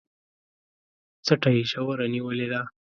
څټه يې ژوره نيولې ده